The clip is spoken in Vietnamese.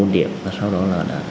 bốn điểm và sau đó là